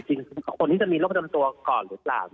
จริงคนที่จะมีโรคประจำตัวก่อนหรือเปล่า